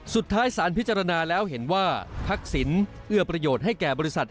สุดท้ายสารพิจารณาแล้วเห็นว่าทักษิณเอื้อประโยชน์ให้แก่บริษัท